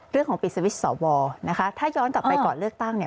ปิดสวิตช์สวนะคะถ้าย้อนกลับไปก่อนเลือกตั้งเนี่ย